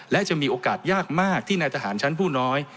และจะมีโอกาสยากมากที่นายทหารชั้นผู้น้อย